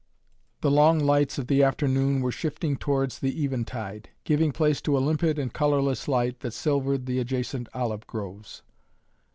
The long lights of the afternoon were shifting towards the eventide, giving place to a limpid and colorless light that silvered the adjacent olive groves.